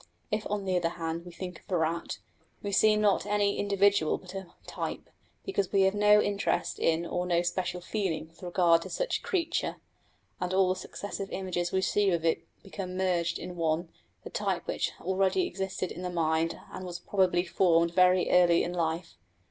If on the other hand we think of a rat, we see not any individual but a type, because we have no interest in or no special feeling with regard to such a creature, and all the successive images we receive of it become merged in one the type which already existed in the mind and was probably formed very early in life.